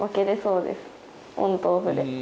オンとオフで。